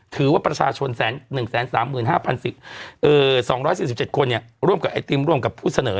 ถือว่าประชาชน๑๓๒๔๗คนร่วมกับไอติมร่วมกับผู้เสนอ